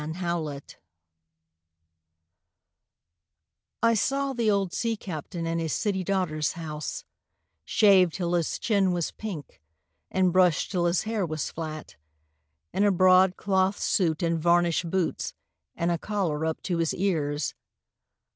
OLD BOATS I saw the old sea captain in his city daughter's house, Shaved till his chin was pink, and brushed till his hair was flat, In a broadcloth suit and varnished boots and a collar up to his ears.